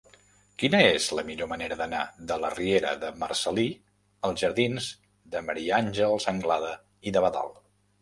Quina és la millor manera d'anar de la riera de Marcel·lí als jardins de Maria Àngels Anglada i d'Abadal?